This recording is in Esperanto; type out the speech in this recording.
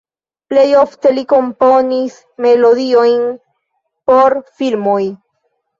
Plej ofte li komponis melodiojn por filmoj.